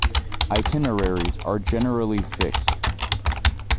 Itineraries are generally fixed.